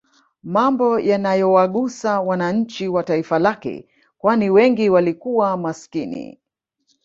Mambo yanayowagusa wananchi wa taifa lake kwani wengi walikuwa maskini